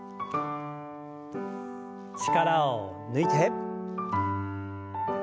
力を抜いて。